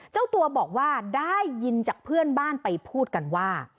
เจ้าตัวบอกว่าได้ยินจากเพื่อนบ้านไปพูดกันว่า